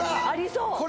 ありそう。